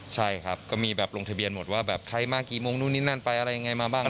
ใช่ครับก็มีแบบลงทะเบียนหมดว่าแบบใครมากี่โมงนู่นนี่นั่นไปอะไรยังไงมาบ้าง